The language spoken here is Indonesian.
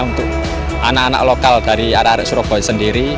untuk anak anak lokal dari arah arah surabaya sendiri